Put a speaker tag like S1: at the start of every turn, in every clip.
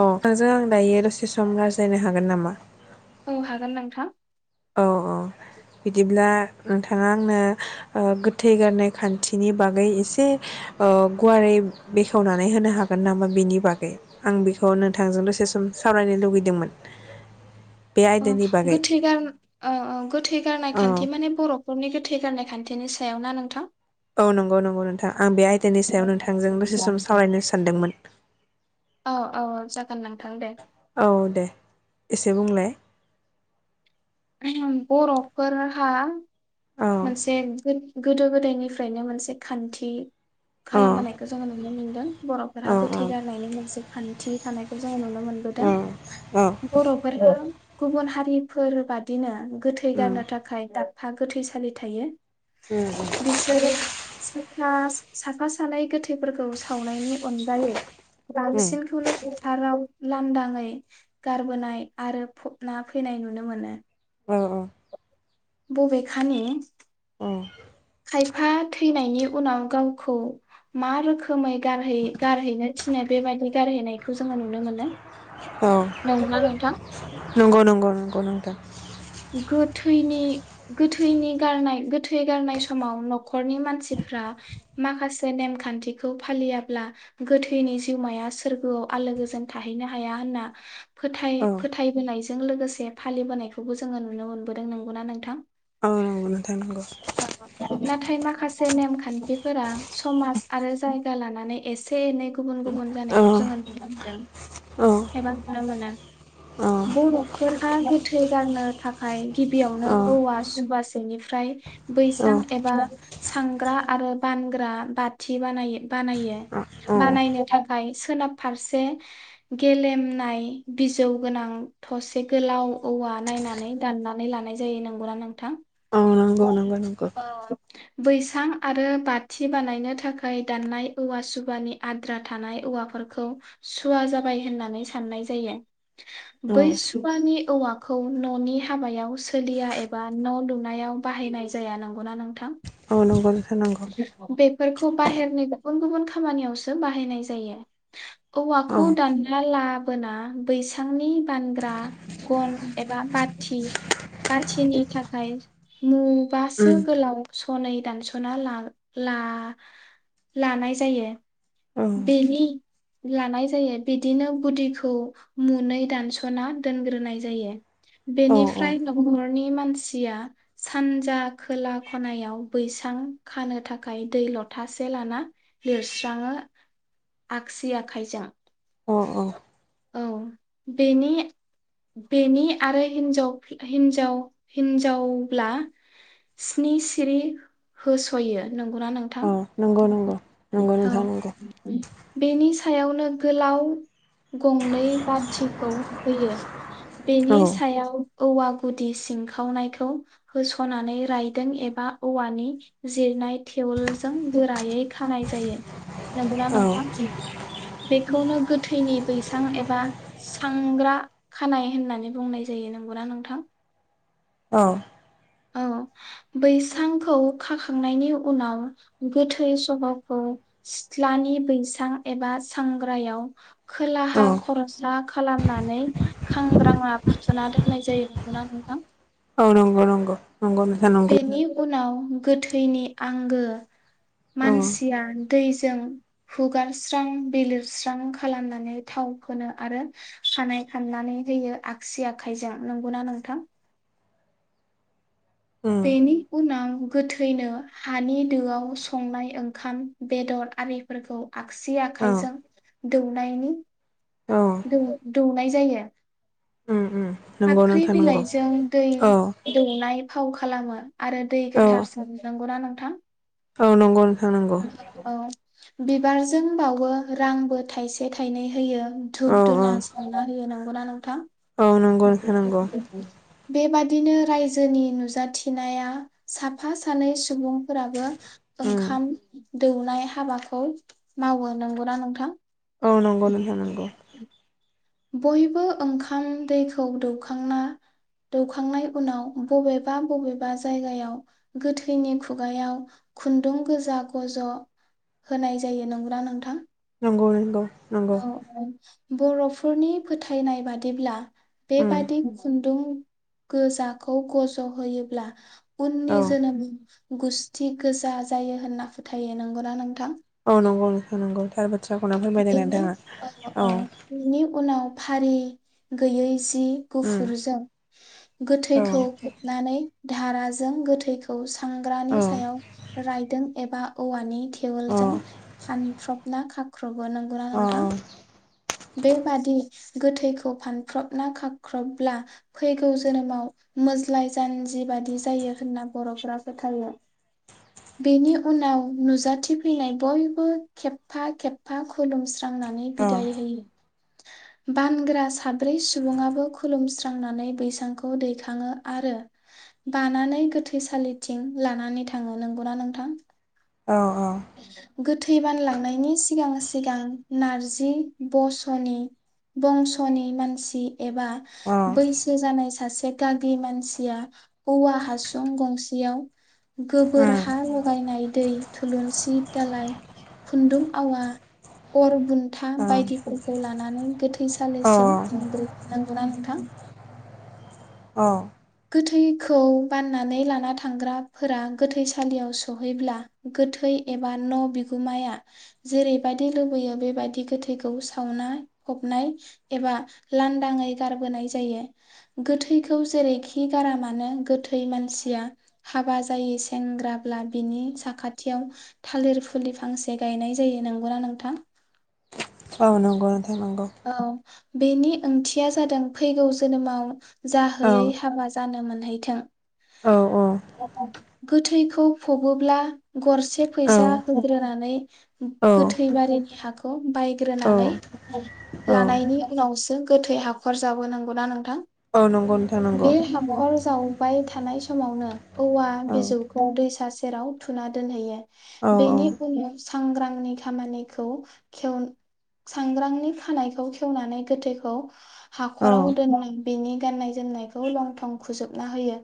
S1: अ नोंजों आं दायो दसे सम गारज्लायनो हागोन नामा?
S2: औ हागोन नोंथां
S1: औ औ बिदिब्ला नोंथाङा आंनो ओ गोथै गारनाय खान्थिनि बागै एसे औ गुवारै बेखेवनानै होनो हागोन नामा बेनि बागै आं बेखौ नोंथांजों दसे सम सावरायनो लुगैदोंमोन। बे
S2: अ
S1: आयदानि बागै
S2: गोथै गार औ औ गोथै नाय
S1: औ
S2: खान्थि माने बर' फोरनि गोथै गारनाय खान्थिनि सायाव ना नोंथां?
S1: औ नंगौ नंगौ नोंथां आं बे आयदानि सायाव नोंथांजों दसे सम सावरायनो सानदोंमोन।
S2: औ औ जा
S1: औ दे एसे बुंलाय।
S2: बर'फोरहा
S1: औ
S2: मोनसे गोदो गोदायनिफ्रायनो मोनसे खान्थि
S1: औ
S2: खालामबोनायखौ जोङो नुनो मोनदों।
S1: औ
S2: बर'फोरा गोथै गारनायनि मोनसे खान थि थानायखौ जोङो नु नों मोनबोदों।
S1: औ औ
S2: बर' फोरहा गुबुन हारिफोर बादिनो गोथै
S1: उम
S2: गारनो थाखाय दाबफा गोथै सालि थायो।
S1: उम उम
S2: बिसोरो साखा साफा सानै गोथैफोरखौ सावनायनि अनगायै
S1: उम
S2: बांसिनखौनो फोथाराव लानदाङै गारबोनाय आरो फबना फैनाय नुनो मोनो।
S1: औ औ
S2: बबेखानि
S1: औ
S2: खायफा थैनायनि उनाव गावखौ मा रोखोमै गारहै गारहैनो थिनो बेबायदि गारहैनायखौ जोङो नुनो मोनो।
S1: औ
S2: नंगौ। [inaudible]
S1: नंगौ नंगौ नंगौ नोंथां।
S2: गोथैनि गोथैनि गारनाय गोथै गारनाय समाव न'खरनि मानसिफ्रा माखासे नेमखान्थिखौ फालियाब्ला गोथैनि जिउमाया सोर्गोआव आलो गोजोन थाहैनो हाया होनना फोथाय
S1: औ
S2: फोथायबोनायजों लोगोसे फालिबोनायखौ जोङो नुनो मोनबोदों। नंगौना नोंथां?
S1: औ नोंथां नंगौ।
S2: नाथाय माखासे नेमखान्थिफोरा समाज आरो जायगा लानानै एसे एनै गुबुन गुबुन
S1: औ
S2: जानायखौ जोङो नुनो मोनदों
S1: औ
S2: एबा नुनो मोनो।
S1: औ
S2: बर'फोराहा गोथै गारनो थाखाय गिबियावनो
S1: औ
S2: औवा जुबासेनिफ्राय बैसां एबा सांग्रा आरो बानग्रा बाथि बानाय बानायो
S1: औ औ
S2: बानायनो थाखाय सोनाब फारसे गेलेमनाय बिजौ गोनां थसे गोलाव औवा नायनानै दाननानै लानाय जायो। नोंगौना नोंथां?
S1: औ नंगौ नंगौ नंगौ।
S2: बैसां आरो बाथि बानायनो थाखाय दाननाय औवा सुबानि आद्रा थानाय औवाफोरखौ सुवा जाबाय होननानै साननाय जायो।
S1: औ
S2: बै सुबानि औवाखौ न'नि हाबायाव सोलिया एबा न' लुनायाव बाहायनाय जाया। नंगौना नोंथां?
S1: औ नंगौ नंगौ
S2: बेफोरखौ बाहेरनि गुबुन गुबुन खामानियावसो बाहायनाय जायो।
S1: औ
S2: औवाखौ दानना ला बोना बैसांनि बानग्रा गन एबा बाथि बाथिनि थाखाय मु बासो
S1: उम
S2: गोलाव सनै दानस' ला ला-लानाय जायो।
S1: औ
S2: बेनि लानाय जायो बिदिनो गुदिखौ मुनै दानस'ना दोनग्रोनाय जायो
S1: औ
S2: बेनिफ्राय न'खरनि मानसिया सानजा खोला खनायाव बैसां खानो थाखाय दै लथासे लाना लिरस्राङो। आगसि आखाइजों।
S1: अ औ
S2: औ बेनि आरो हिन्जाव हिन्जाव हिन्जावब्ला स्नि सिरि होस'यो नंगौना नोंथां?
S1: औ नंगौ नंगौ नंगौ
S2: औ
S1: नोंथा नंगौ
S2: बेनि सायावनो गोलाव गंनै बाथिखौ होयो
S1: औ
S2: बेनि सायाव औवा गुदि सिंखावनायखौ होस'नानै रायदों एबा औवानि जिरनाय थेवलजों गोरायै खानाय जायो। नंगौना
S1: औ
S2: नोंथां बेखौनो गोथैनि बैसां एबा सांग्रा खानाय होननानै बुंनाय जायो नंगौना नोंथां?
S1: औ
S2: औ बैसांखौ खाखांनायनि उनाव गोथै सह'खौ सिथ्लानि बैसां एबा सांग्रायाव
S1: औ
S2: खोलाहा खरसा खालामनानै खांग्राङा फुथुना दोननाय जायो नंगौना नोंथां?
S1: औ नंगौ नंगौ नंगौ नोंथां नंगौ
S2: बेनि उनाव गोथैनि आंगो
S1: औ
S2: मानसिया दै जों हुगारस्रां बिलिरस्रां खालामनानै थाव फोनो आरो खानाय खाननानै होयो आगसि आखाइजों नंगौना नोंथां?
S1: उम
S2: बेनि उनाव गोथैनो हानि दोआव संनाय ओंखाम बेदर आरिफोरखौ आगसि
S1: औ
S2: आखायजों दौनायनि
S1: औ
S2: दौ दौनाय जायो।
S1: उम उम नंगौ
S2: फाख्रि
S1: नोंथां नंगौ
S2: बिलाइजों दै
S1: औ
S2: दौनाय फाव खालामो आरो दै
S1: औ
S2: गोथार सोन नंगौना नों
S1: औ नंगौ नोंथां नंगौ
S2: औ बिबारजों बावो रांबो थाइसे थाइनै होयो। धुप
S1: औ
S2: धुना
S1: औ
S2: सावना होयोना गौना नों
S1: औ नंगौ नोंथां नंगौ
S2: बिदिनो रायजोनि नुजाथिनाया साफा सानै सुबुंफोराबो
S1: उम
S2: ओंखाम दौनाय हाबाखौ मावो नंगौना नोंथां?
S1: औ नंगौ नोंथां नंगौ
S2: बयबो ओंखाम दैखौ दौखांना दौखांनाय उनाव बबेबा बबेबा जायगायाव गोथैनि खुगायाव खुन्दुं गोजा गज' होनाय जायो नंगौ ना नोंथां?
S1: नंगौ नंगौ नंगौ
S2: औ औ बर' फोरनि फोथायनाय बादिब्ला बे
S1: उम
S2: बादि खुन्दुं गोजाखौ गज'होयोब्ला उननि
S1: औ
S2: जोनोम गुस्थि गोजा जायो होन्ना फोथायो नंगौना नोंथां?
S1: औ नंगौ नोंथां नंगौ थार
S2: [unintelligible]
S1: बाथ्राखौनो फोरमायदों
S2: बिनि
S1: नोंथाङा
S2: ओ
S1: औ
S2: बिनि उनाव फारि गैयै जि
S1: उम
S2: गुफुरजों
S1: औ
S2: गोथैखौ खोबनानै धाराजों गोथैखौ
S1: औ
S2: थांग्रानि सायाव रायदों एबा औवानि थेवल
S1: अ
S2: जों फानफ्रब ना खा ख्र'बो नंगौना नोंथां?
S1: अ
S2: बेबादि गोथैखौ फानफ्रबना खाख्रबब्ला फैगौ जोनोमाव मोज्लाय जानजि बादि जायो होन्ना बर'फोरा फोथायो। बेनि उनाव नुजाथिफैनाय बयबो खेबफा खब फा खुलुम स्रांनांनै
S1: अ
S2: बिदाय होयो। बानग्रा साब्रै सुबुङाबो खुलुमस्रांनानै बैसांखौ दैखाङो आरो बानानै गोथैसालिथिं लानानै थाङो नंगौना नोंथां?
S1: औ औ
S2: गोथै बानलांनायनि सिगां सिगां नारजि बस'नि बंस'नि मानसि एबा
S1: औ अ
S2: बैसो जानाय सासे गागि मानसिया औवा हासुं गंसेयाव गोबोर
S1: उम
S2: हा लगायनाय दै थुलुंसि दालाय खुन्दुं आवा अर बुन्था बायदिफोरखौ लानानै
S1: औ
S2: गोथैसालिसिम थांग्रो नंगौना नोंथां?
S1: अ
S2: गोथैखौ बाननानै लाना थांग्राफोरा गोथैसालियाव सहैब्ला गोथै एबा न' बिगुमाया जेरैबायदि लुबैयो बेबायदि गोथैखौ सावनाय फबनाय एबा लांदाङै गारबोनाय जायो। गोथैखौ जेरैखि खि गारामानो गोथै मानसिया हाबा जायै सेंग्राब्ला बिनि साखाथियाव थालिर फुलि फांसे गायनाय जायो नंगौना नोंथां?
S1: औ नंगौ नोंथां नांगौ।
S2: औ बेनि ओंथिया जादों फैगौ जोनोमाव
S1: औ
S2: जाहोयै हाबा जानोम मोन हैथों
S1: औ औ
S2: गोथैखौ फबोब्ला गरसे
S1: औ
S2: फैसा होग्रोनानै
S1: औ
S2: गोथैबारिनि हाखौ बाय
S1: औ
S2: ग्रोनानै
S1: औ
S2: लानायनि उनावसो ओ गोथै हाखर जावो नंगोना नोंथां?
S1: [unintelligible]
S2: बाय थानाय समावनो औवा
S1: औ
S2: बिजौखौ दै सा सेराव थुना दोनहैयो।
S1: औ
S2: बेनि [unintelligible] सांग्रांनि खामानिखौ खेवन सांग्रांनि खानायखौ खेवनानै गोथैखौ
S1: औ
S2: हाखराव दोनां इनि गाननाय जोमनायखौ [unintelligible] होयो।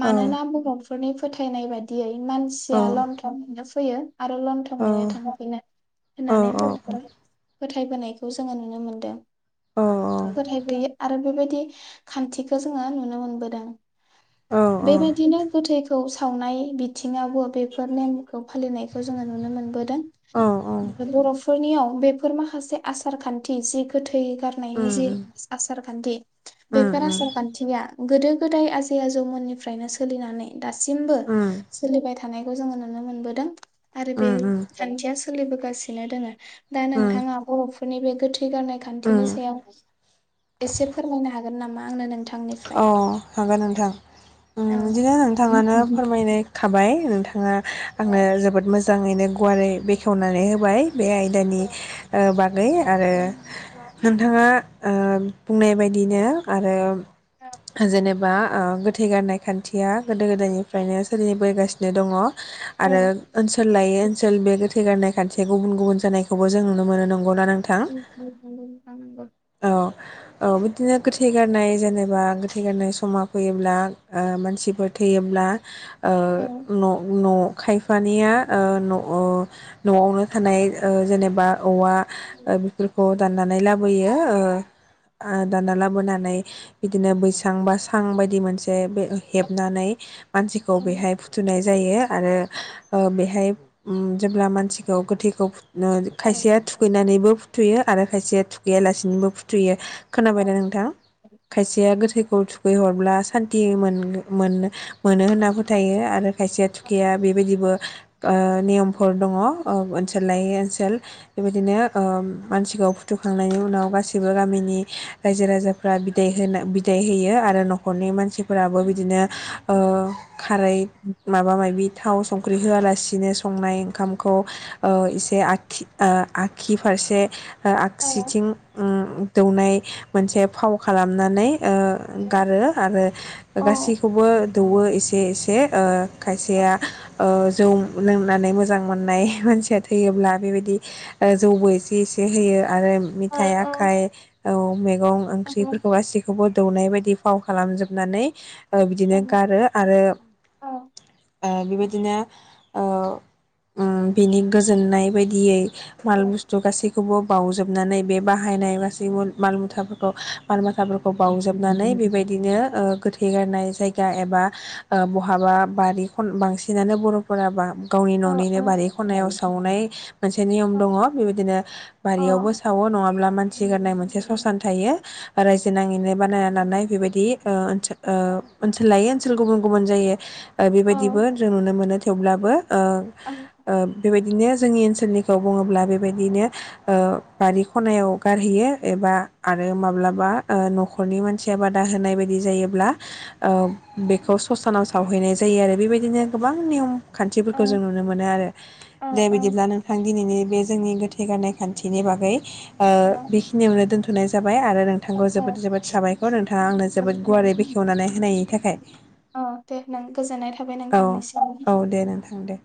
S2: मानोना [unintelligible] फोरनि फोथायनाय बायदियै मानसिया
S1: औ
S2: [unintelligible] फैयो। आरो [unintelligible] थांफिनो
S1: औ
S2: होननानै
S1: औ
S2: बर'फोर बोनायखौ जोंङो नुनो मोनदों।
S1: औ
S2: फोथायब्रेयो। आरो बेबायदि खान्थिखौ जोंङो नुनो मोनबोदों।
S1: औ
S2: बे बादिनो गोथैखौ सावनाय बिथिंङावबो बेफोर नेम खौ फालिनायखौ जोंङो नुनो मोनबोदों।
S1: औ औ
S2: [unintelligible] फोरनियाव बे फोर माखासे आसारखान्थि जि गोथै
S1: उम
S2: गारनायनि जि आसार खान्थि बेफार
S1: उम उम
S2: आसार खान्थिया गोदो गोदाय आजै आजौ मोननिफ्रायनो सोलिनानै दासिमबो
S1: उम
S2: सोलिबाय थानायखौ जोंङो नुनो मोनबोदों। आरो बे
S1: उम
S2: खान्थियास सोलिबोगासिनो दोंङो [unintelligible]
S1: उम
S2: थांया [unintelligible] फोरनि बे गोथै गारनाय खान्थिनि
S1: उम
S2: सायाव एसे फोरमायनो हागोन नामा आंनो नोंथां
S1: अह हागोन नोंथां ओ
S2: औ
S1: बिदिनो नोंथांङानो फोरमायनाय थाबाय नोंथांङा आं नो जोबोद मोज जांङैनो गुवारै बेखेवनानै होबाय। बे आयदानि ओ बाग दै आरो नोंथाङा ओ बुंनाय बादिनो आरो जेनेबा ओ गोथै गाननाय खान्थिया गोदो गोदायनिफ्रायनो सोलिबोगासिनो दङ।
S2: औ
S1: आरो ओनसोल लायो ओनसोल बे गोथै गारनाय खान्थिया गुबुन गुबुन जानाय खौबो जों नुनो मोनो नंगौना नोंथां?
S2: नंगौ नोंथां नंगौ।
S1: औ। औ बिदिनो गोथै गारनाय जेनेबा गोथैगारनाय समा फैयोब्ला मानसिफोर थैयोब्ला
S2: औ
S1: न' न' खायफानिया ओ न'आवनो थानाय ओ जेनेबा औवा बेफोरखौ दाननानै लाबोयो ओ दानना लाबोनानै इदिनो बै बिसां बा सां बायदि मोनसे हेबनानै मानसिखौ
S2: औ
S1: बेहाय फुथुनाय जायो आरो बेहाय जेब्ला मानसिखौ गोथैखौ खायसेया थुखैनानैबो फुथुयो आरो खायसे थुखैयालासिनोबो फुथुयो। खोनाबायना नोंथां खायसेया गोथै खौ थुखैहरब्ला सान्थि मोन-मोन मोनो होनना फोथायो आरो खायसेया थुखैया बेबायदिबो ओ नियमफोर दङ ओ ओनसोल लायै ओनसोल बेबायदिनो ओ मानसिखौ फुथुखांनायनि उनाव गासिबो गामिनि रायजो-राजाफ्रा बिदाय होना बि दाइ होयो आरो न'खरनि मानसिफोराबो बिदिनो ओ खारै माबा-मायबि थाव संख्रि होआलासिनो संनाय ओंखामखौ ओ इसे आगखि ओ आगखि फारसे ओ
S2: औ
S1: आगसिथिं अम दौनाय मोनसे फाव खालामनानै ओ
S2: औ
S1: गारो आरो गासैखौबो दौवो एसे-एसे ओ खायसेया ओ जौ लोंनानै मोजां मोननाय मानसिया थैयोब्ला बेबायदि जौबो एसे-एसे होयो आरो मिथाइ आखाय औ मेगं ओंख्रिफोरखौ गासि बो दौनाय बायदि फाव खालामजोबनानै ओ बिदिनो गारो आरो ओ बेबायदिनो ओ ओम बिनि गोजोननाय बायदियै माल बस्थु गासैखौबो बाावजोबनानै बे बाहायनाय गासै मुल माल मुथाफोरखौ माल माथाफोर खौ बावजोबनानै बेबायदिनो ओ गोथै गारनाय जायगा एबा ओ बहाबा बारि खन बांसिनानो बर'फोरा बा गावनि न'निनो बारि खनायाव सावनाय मोनसे नियम दङ। बेबायदिनो बारियावबो सावो नङाब्ला मानसि गारनाय मोनसे सस खोनथायो ओरै नाङैनो बानायना लानाय बेबायदि ओ ओ ओनसोललायै ओन सोल गुबुन गुबुन जायो ओ बेबायदिबो जों नुनो मोनो थेवब्लाबो ओ ओ बेबाय दिनो जोंनि ओनसोलनिखौ बुङोब्ला बेबायदिनो ओ बारि खनायाव गारहैयो एबा आरो माब्लाबा ओ नखरनि मानसिया बादा होनाय बायदि जायोब्ला ओ बेखौ ससानाव सावहैनाय जायो आरो बेबायदिनो गोबां नियम खान्थिफोरखौ जों नुनो मोनो आरो दे बिदिब्ला नोंथां दिनैनि बे जोंनि गोथै गारनाय खान्थिनि बागै ओ बेखिनियावनो दोन होनाय जाबाय आरो थांखौ जोबोद जोबोद साबायखर नोंथाङा आंनो जोबोद गुवारै बेखेवनानै होनायनि थाखाय
S2: दे नों गोजोननाय थाबाय
S1: औ
S2: नोंथांनिसिम।
S1: औ दे नोंथां दे